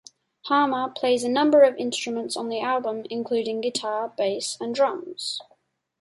Harmer plays a number of instruments on the album, including guitar, bass, and drums.